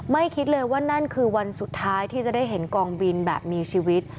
คิดเลยว่านั่นคือวันสุดท้ายที่จะได้เห็นกองบินแบบมีชีวิต